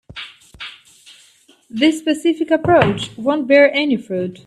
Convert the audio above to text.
This specific approach won't bear any fruit.